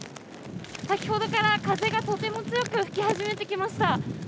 先ほどから風がとても強く吹き始めてきました。